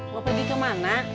mau pergi kemana